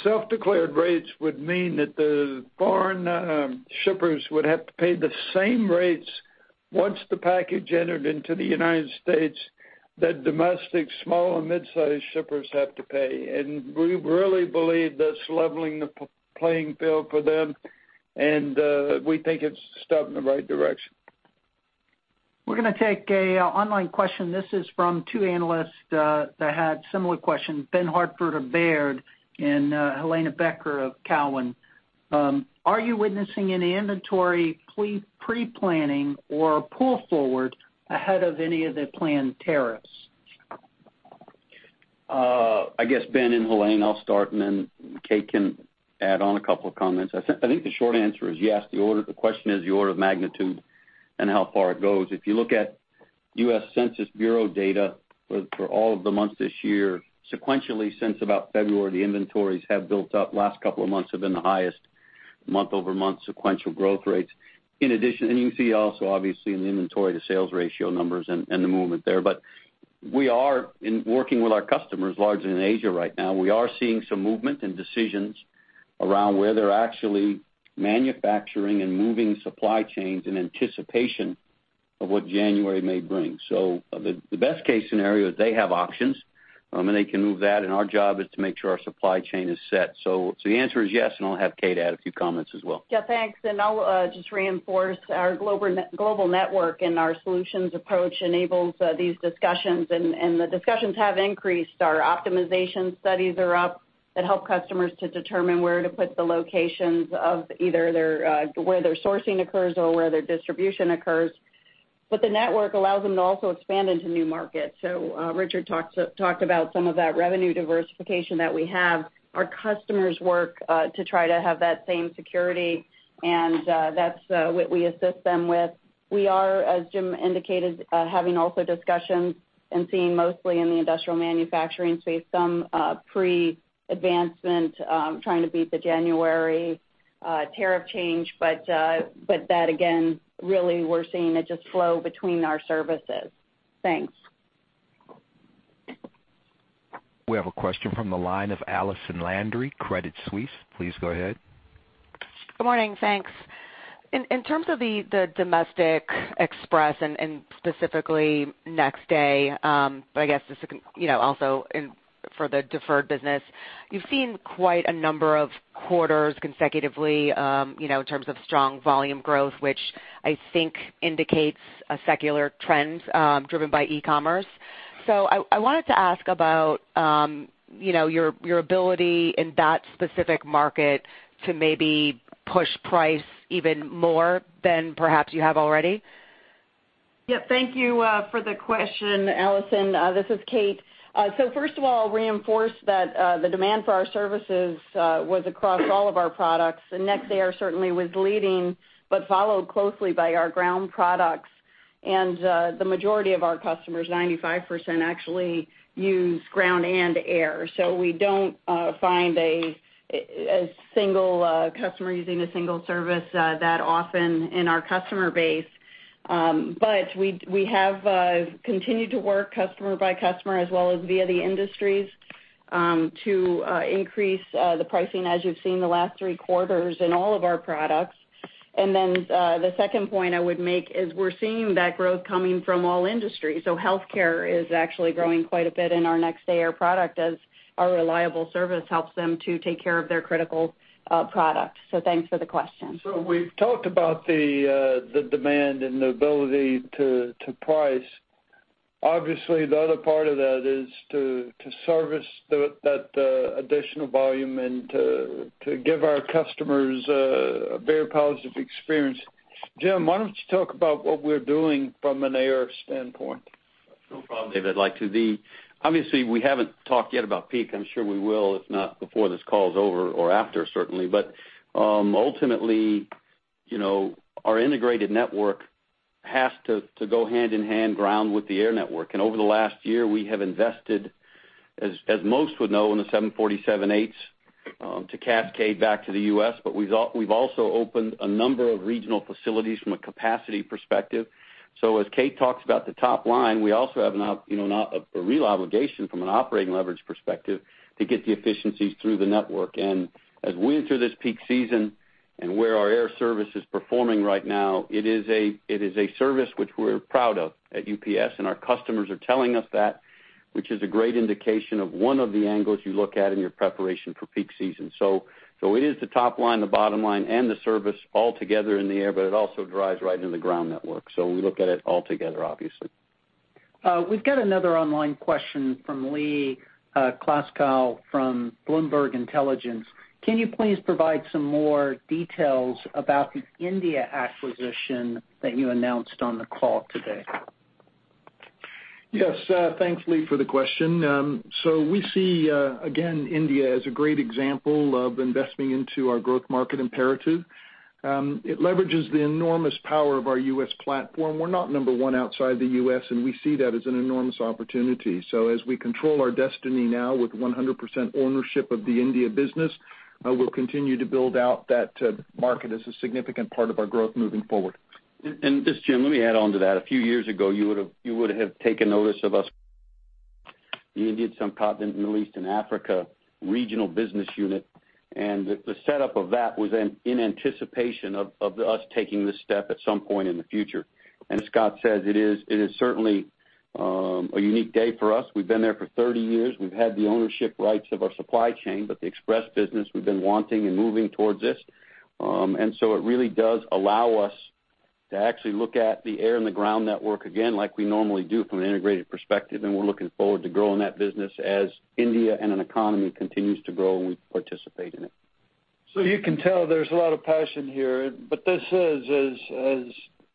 Self-declared rates would mean that the foreign shippers would have to pay the same rates once the package entered into the United States that domestic small and mid-sized shippers have to pay. We really believe that's leveling the playing field for them. We think it's a step in the right direction. We're going to take an online question. This is from two analysts that had similar questions. Benjamin Hartford of Baird and Helane Becker of Cowen. Are you witnessing any inventory pre-planning or pull forward ahead of any of the planned tariffs? I guess Ben and Helane, I'll start. Then Kate can add on a couple of comments. I think the short answer is yes. The question is the order of magnitude and how far it goes. If you look at U.S. Census Bureau data for all of the months this year, sequentially since about February, the inventories have built up. Last couple of months have been the highest month-over-month sequential growth rates. In addition, you can see also obviously in the inventory to sales ratio numbers and the movement there. We are working with our customers largely in Asia right now. We are seeing some movement and decisions around where they're actually manufacturing and moving supply chains in anticipation of what January may bring. The best case scenario is they have options, and they can move that, and our job is to make sure our supply chain is set. The answer is yes, and I'll have Kate add a few comments as well. Thanks. I'll just reinforce our global network and our solutions approach enables these discussions, and the discussions have increased. Our optimization studies are up that help customers to determine where to put the locations of either where their sourcing occurs or where their distribution occurs. The network allows them to also expand into new markets. Richard talked about some of that revenue diversification that we have. Our customers work to try to have that same security, and that's what we assist them with. We are, as Jim indicated, having also discussions and seeing mostly in the industrial manufacturing space, some pre-advancement, trying to beat the January tariff change, that again, really we're seeing it just flow between our services. Thanks. We have a question from the line of Allison Landry, Credit Suisse. Please go ahead. Good morning. Thanks. In terms of the domestic express and specifically next day, but I guess also for the deferred business, you've seen quite a number of quarters consecutively in terms of strong volume growth, which I think indicates a secular trend driven by e-commerce. I wanted to ask about your ability in that specific market to maybe push price even more than perhaps you have already. Thank you for the question, Allison. This is Kate Gutmann. First of all, reinforce that the demand for our services was across all of our products, and next day certainly was leading, but followed closely by our ground products. The majority of our customers, 95% actually, use ground and air. We don't find a single customer using a single service that often in our customer base. We have continued to work customer by customer as well as via the industries, to increase the pricing, as you've seen the last 3 quarters in all of our products. The second point I would make is we're seeing that growth coming from all industries. Healthcare is actually growing quite a bit in our next day air product as our reliable service helps them to take care of their critical product. Thanks for the question. We've talked about the demand and the ability to price. Obviously, the other part of that is to service that additional volume and to give our customers a very positive experience. Jim, why don't you talk about what we're doing from an air standpoint? No problem, David. Obviously, we haven't talked yet about peak. I'm sure we will, if not before this call is over or after, certainly. Ultimately, our integrated network has to go hand in hand ground with the air network. Over the last year, we have invested, as most would know, in the 747-8F to cascade back to the U.S., but we've also opened a number of regional facilities from a capacity perspective. As Kate talks about the top line, we also have a real obligation from an operating leverage perspective to get the efficiencies through the network. As we enter this peak season and where our air service is performing right now, it is a service which we're proud of at UPS, and our customers are telling us that, which is a great indication of 1 of the angles you look at in your preparation for peak season. It is the top line, the bottom line, and the service all together in the air, but it also drives right into the ground network. We look at it all together, obviously. We've got another online question from Lee Klaskow from Bloomberg Intelligence. Can you please provide some more details about the India acquisition that you announced on the call today? Yes. Thanks, Lee, for the question. We see, again, India as a great example of investing into our growth market imperative. It leverages the enormous power of our U.S. platform. We're not number one outside the U.S., and we see that as an enormous opportunity. As we control our destiny now with 100% ownership of the India business, we'll continue to build out that market as a significant part of our growth moving forward. Just, Jim, let me add on to that. A few years ago, you would have taken notice of us the India, Subcontinent, Middle East, and Africa regional business unit. The setup of that was in anticipation of us taking this step at some point in the future. As Scott says, it is certainly a unique day for us. We've been there for 30 years. We've had the ownership rights of our supply chain, but the express business, we've been wanting and moving towards this. It really does allow us to actually look at the air and the ground network again, like we normally do from an integrated perspective. We're looking forward to growing that business as India and an economy continues to grow and we participate in it. You can tell there's a lot of passion here, but this is, as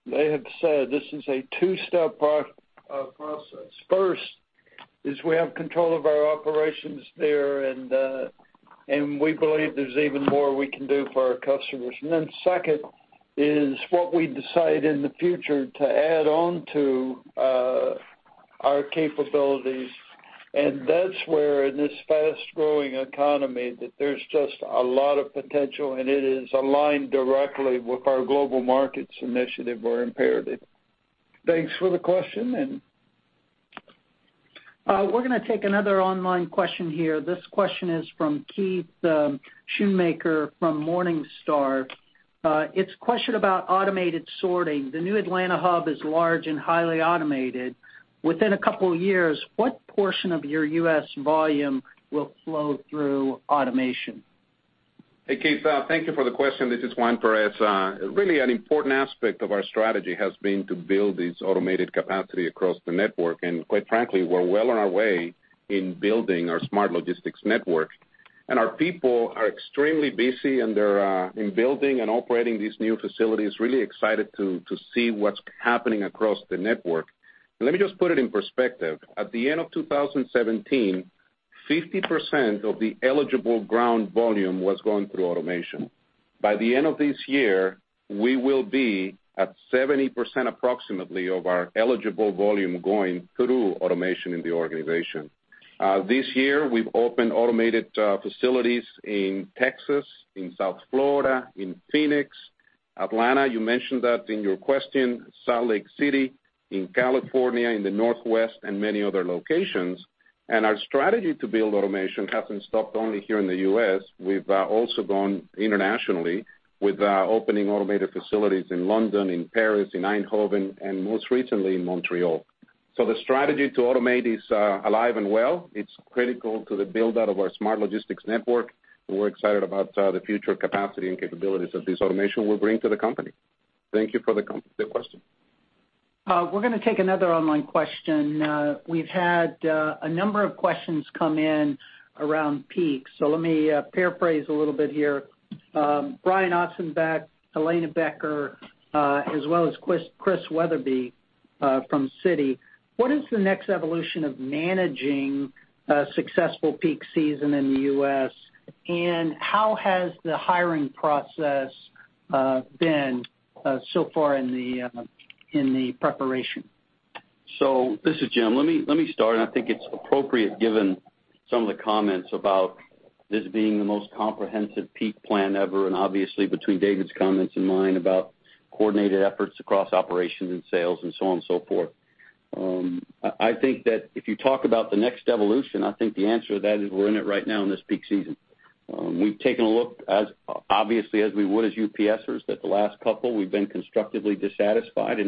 they have said, this is a two-step process. First is we have control of our operations there, and we believe there's even more we can do for our customers. Second is what we decide in the future to add on to our capabilities. That's where, in this fast-growing economy, that there's just a lot of potential, and it is aligned directly with our Global Markets Initiative or imperative. Thanks for the question. We're going to take another online question here. This question is from Keith Schoonmaker from Morningstar. It's a question about automated sorting. The new Atlanta hub is large and highly automated. Within a couple of years, what portion of your U.S. volume will flow through automation? Hey, Keith. Thank you for the question. This is Juan Perez. Really an important aspect of our strategy has been to build this automated capacity across the network. Quite frankly, we're well on our way in building our smart logistics network. Our people are extremely busy in building and operating these new facilities, really excited to see what's happening across the network. Let me just put it in perspective. At the end of 2017, 50% of the eligible ground volume was going through automation. By the end of this year, we will be at 70% approximately of our eligible volume going through automation in the organization. This year, we've opened automated facilities in Texas, in South Florida, in Phoenix, Atlanta, you mentioned that in your question, Salt Lake City, in California, in the Northwest, and many other locations. Our strategy to build automation hasn't stopped only here in the U.S. We've also gone internationally with opening automated facilities in London, in Paris, in Eindhoven, and most recently in Montreal. The strategy to automate is alive and well. It's critical to the build-out of our smart logistics network, and we're excited about the future capacity and capabilities that this automation will bring to the company. Thank you for the question. We're going to take another online question. We've had a number of questions come in around peak. Let me paraphrase a little bit here. Brian Ossenbeck, Helane Becker, as well as Christian Wetherbee from Citi. What is the next evolution of managing a successful peak season in the U.S., and how has the hiring process been so far in the preparation? This is Jim. Let me start. I think it's appropriate given some of the comments about this being the most comprehensive peak plan ever, obviously between David's comments and mine about coordinated efforts across operations and sales and so on and so forth. If you talk about the next evolution, I think the answer to that is we're in it right now in this peak season. We've taken a look, obviously as we would as UPSers, that the last couple we've been constructively dissatisfied.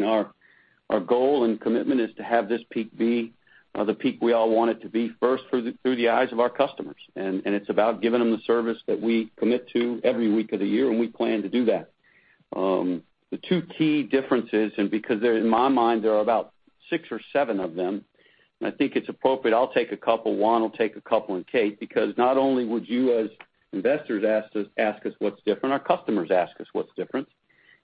Our goal and commitment is to have this peak be the peak we all want it to be. First, through the eyes of our customers. It's about giving them the service that we commit to every week of the year, we plan to do that. The two key differences, because in my mind there are about six or seven of them. I think it's appropriate, I'll take a couple, Juan will take a couple, Kate. Because not only would you as investors ask us what's different, our customers ask us what's different.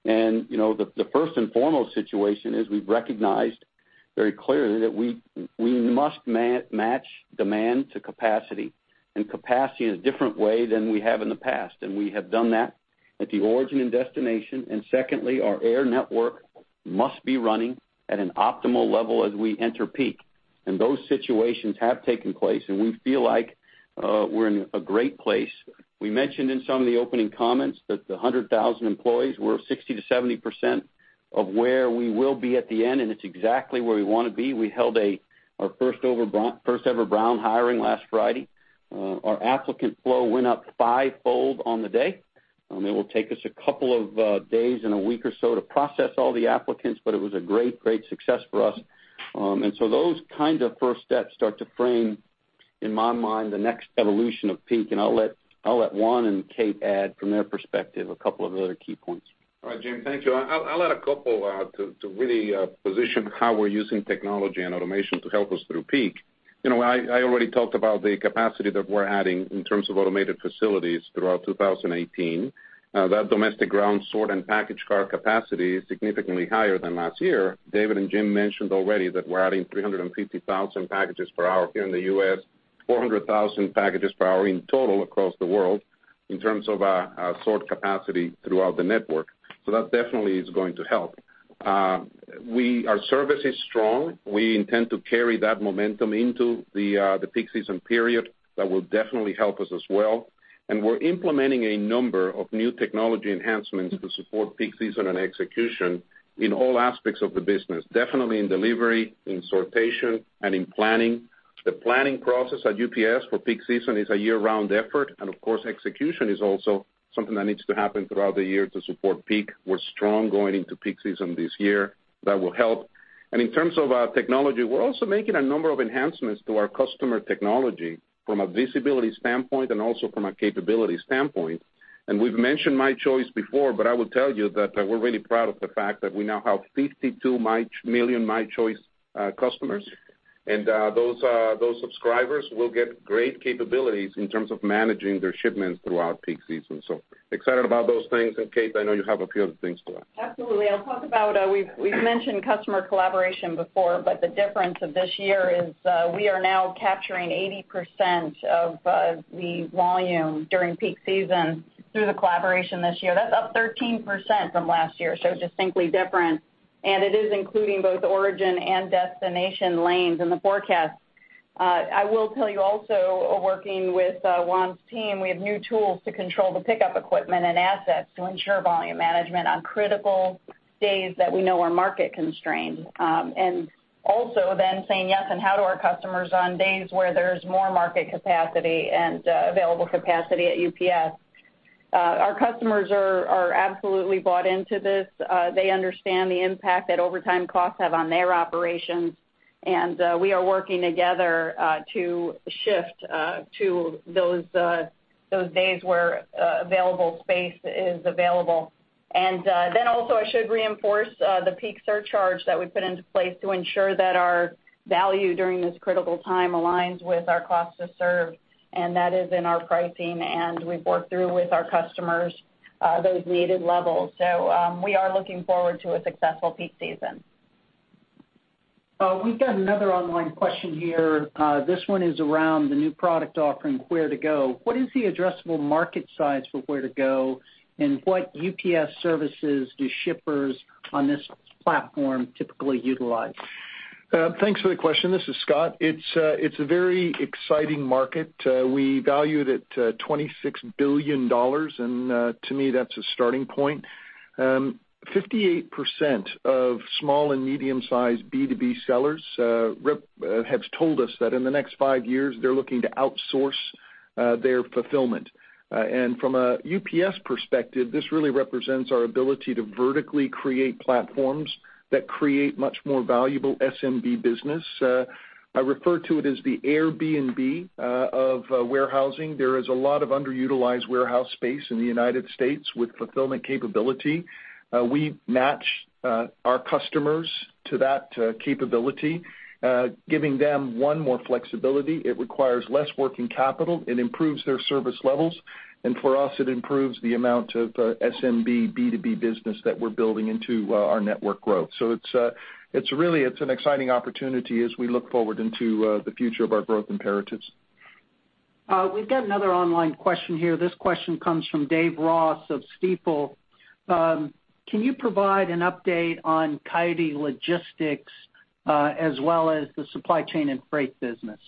The first and foremost situation is we've recognized very clearly that we must match demand to capacity in a different way than we have in the past. We have done that at the origin and destination. Secondly, our air network must be running at an optimal level as we enter peak. Those situations have taken place. We feel like we're in a great place. We mentioned in some of the opening comments that the 100,000 employees, we're 60%-70% of where we will be at the end. It's exactly where we want to be. We held our first ever Brown hiring last Friday. Our applicant flow went up fivefold on the day. It will take us a couple of days and a week or so to process all the applicants, but it was a great success for us. Those kind of first steps start to frame, in my mind, the next evolution of peak. I'll let Juan and Kate add from their perspective a couple of other key points. All right, Jim, thank you. I'll add a couple to really position how we're using technology and automation to help us through peak. I already talked about the capacity that we're adding in terms of automated facilities throughout 2018. That domestic ground sort and package car capacity is significantly higher than last year. David and Jim mentioned already that we're adding 350,000 packages per hour here in the U.S., 400,000 packages per hour in total across the world in terms of our sort capacity throughout the network. That definitely is going to help. Our service is strong. We intend to carry that momentum into the peak season period. That will definitely help us as well. We're implementing a number of new technology enhancements to support peak season and execution in all aspects of the business. Definitely in delivery, in sortation, and in planning. The planning process at UPS for peak season is a year-round effort, of course, execution is also something that needs to happen throughout the year to support peak. We're strong going into peak season this year. That will help. In terms of our technology, we're also making a number of enhancements to our customer technology from a visibility standpoint and also from a capability standpoint. We've mentioned My Choice before, but I will tell you that we're really proud of the fact that we now have 52 million My Choice customers, and those subscribers will get great capabilities in terms of managing their shipments throughout peak season. Excited about those things, and Kate, I know you have a few other things to add. Absolutely. I'll talk about, we've mentioned customer collaboration before, but the difference of this year is we are now capturing 80% of the volume during peak season through the collaboration this year. That's up 13% from last year, so distinctly different. It is including both origin and destination lanes in the forecast. I will tell you also, working with Juan's team, we have new tools to control the pickup equipment and assets to ensure volume management on critical days that we know are market constrained. Also then saying yes and how to our customers on days where there's more market capacity and available capacity at UPS. Our customers are absolutely bought into this. They understand the impact that overtime costs have on their operations, and we are working together to shift to those days where available space is available. Also I should reinforce the peak surcharge that we put into place to ensure that our value during this critical time aligns with our cost to serve, and that is in our pricing, and we've worked through with our customers those needed levels. We are looking forward to a successful peak season. We've got another online question here. This one is around the new product offering, Ware2Go. What is the addressable market size for Ware2Go, and what UPS services do shippers on this platform typically utilize? Thanks for the question. This is Scott. It's a very exciting market. We valued it at $26 billion, to me, that's a starting point. 58% of small and medium-sized B2B sellers have told us that in the next 5 years, they're looking to outsource their fulfillment. From a UPS perspective, this really represents our ability to vertically create platforms that create much more valuable SMB business. I refer to it as the Airbnb of warehousing. There is a lot of underutilized warehouse space in the U.S. with fulfillment capability. We match our customers to that capability, giving them, one, more flexibility. It requires less working capital. It improves their service levels. For us, it improves the amount of SMB B2B business that we're building into our network growth. Really, it's an exciting opportunity as we look forward into the future of our growth imperatives. We've got another online question here. This question comes from David Ross of Stifel. Can you provide an update on Coyote Logistics, as well as the supply chain and freight business?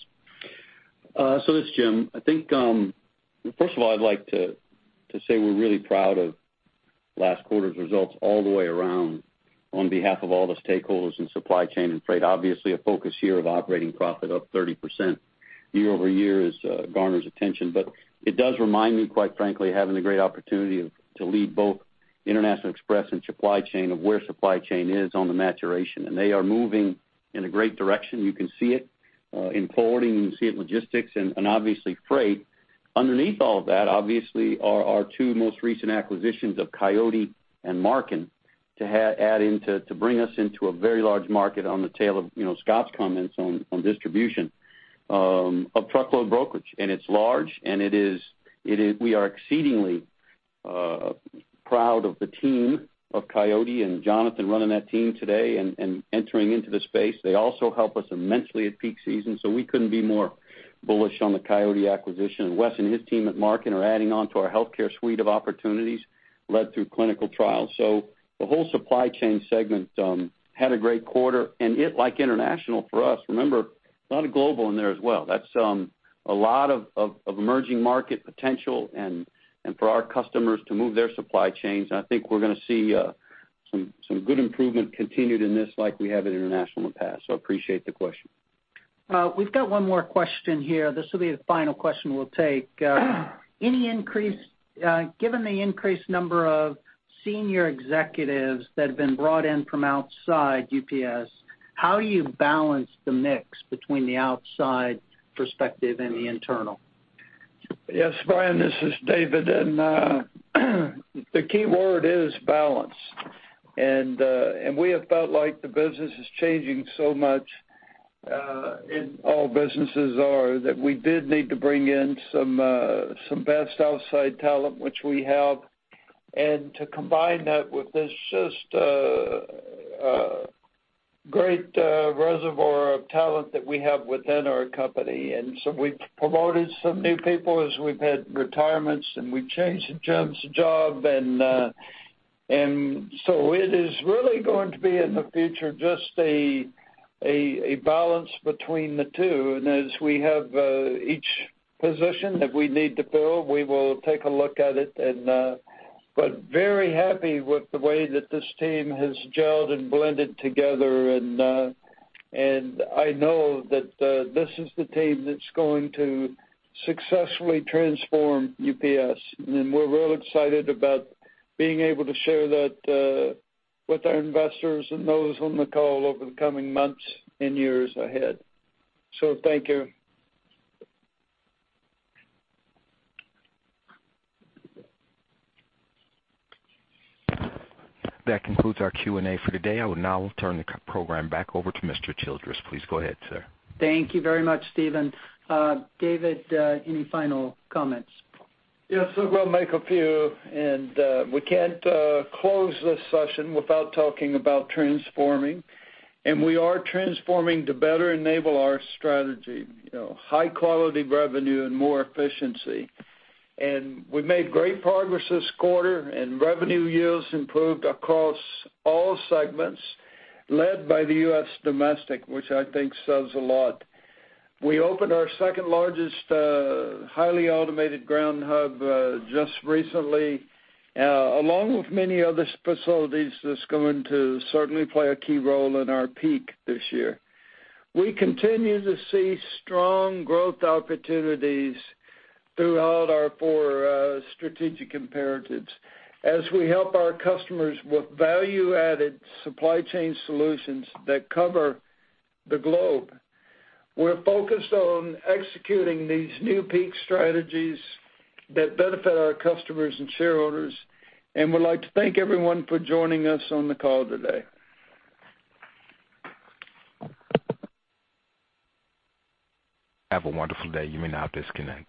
This is Jim. I think, first of all, I'd like to say we're really proud of last quarter's results all the way around on behalf of all the stakeholders in supply chain and freight. Obviously, a focus here of operating profit up 30% year-over-year garners attention. It does remind me, quite frankly, having the great opportunity to lead both international express and supply chain of where supply chain is on the maturation. They are moving in a great direction. You can see it in forwarding, you can see it in logistics and obviously freight. Underneath all of that, obviously, are our two most recent acquisitions of Coyote and Marken to bring us into a very large market on the tail of Scott's comments on distribution of truckload brokerage. It's large, and we are exceedingly proud of the team of Coyote and Jonathan running that team today and entering into the space. They also help us immensely at peak season, we couldn't be more bullish on the Coyote acquisition. Wes and his team at Marken are adding on to our healthcare suite of opportunities led through clinical trials. The whole supply chain segment had a great quarter, and it, like international for us, remember, a lot of global in there as well. That's a lot of emerging market potential and for our customers to move their supply chains. I think we're going to see some good improvement continued in this like we have in international in the past. Appreciate the question. We've got one more question here. This will be the final question we'll take. Given the increased number of senior executives that have been brought in from outside UPS, how do you balance the mix between the outside perspective and the internal? Yes, Brian, this is David. The key word is balance. We have felt like the business is changing so much, and all businesses are, that we did need to bring in some best outside talent, which we have, and to combine that with this just great reservoir of talent that we have within our company. We've promoted some new people as we've had retirements, and we changed Jim's job and so it is really going to be in the future, just a balance between the two. As we have each position that we need to fill, we will take a look at it. Very happy with the way that this team has gelled and blended together and I know that this is the team that's going to successfully transform UPS. We're real excited about being able to share that with our investors and those on the call over the coming months and years ahead. Thank you. That concludes our Q&A for today. I will now turn the program back over to Mr. Childress. Please go ahead, sir. Thank you very much, Steven. David, any final comments? Yes, I'm going to make a few. We can't close this session without talking about transforming. We are transforming to better enable our strategy. High quality revenue and more efficiency. We made great progress this quarter and revenue yields improved across all segments led by the U.S. domestic, which I think says a lot. We opened our second largest, highly automated ground hub just recently, along with many other facilities that's going to certainly play a key role in our peak this year. We continue to see strong growth opportunities throughout our four strategic imperatives as we help our customers with value-added supply chain solutions that cover the globe. We're focused on executing these new peak strategies that benefit our customers and shareholders, and would like to thank everyone for joining us on the call today. Have a wonderful day. You may now disconnect.